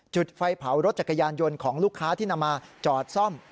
จุดไฟเผารถจักรยานยนต์ของลูกค้าที่นำมาจอดซ่อม